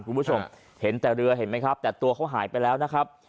คุณผู้ชมเห็นแต่เรือเห็นไหมครับแต่ตัวเขาหายไปแล้วนะครับ